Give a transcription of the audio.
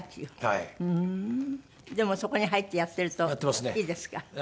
でもそこに入ってやってるといいですか？